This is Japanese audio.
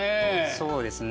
そうですね。